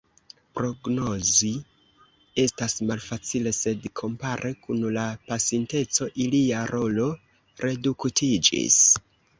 Prognozi estas malfacile, sed kompare kun la pasinteco ilia rolo reduktiĝis.